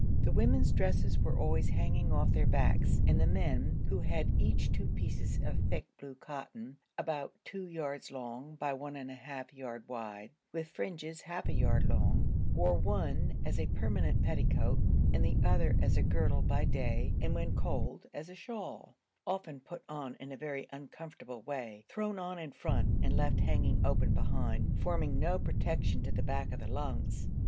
The women's dresses were always hanging off their backs; and the men, who had each two pieces of thick blue cotton about 2 yards long by 1½ yard wide, with fringes half a yard long, wore one as a permanent petticoat and the other as a girdle by day and when cold as a shawl, often put on in a very uncomfortable way thrown on in front and left hanging open behind forming no protection to the back of the lungs.